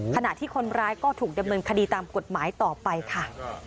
ขณะที่คนร้ายก็ถูกดำเนินคดีตามกฎหมายต่อไปค่ะ